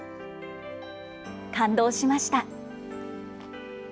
感動しました。